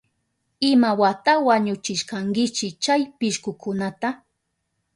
¿Imawata wañuchishkankichi chay pishkukunata?